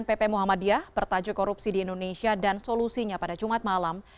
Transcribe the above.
pp muhammadiyah bertajuk korupsi di indonesia dan solusinya pada jumat malam